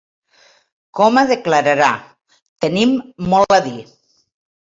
Coma declararà: ‘tenim molt a dir’